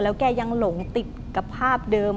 แกยังหลงติดกับภาพเดิม